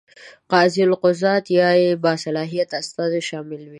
قاضي القضات یا یې باصلاحیت استازی شامل وي.